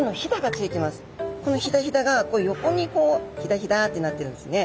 このヒダヒダが横にヒダヒダってなってるんですね。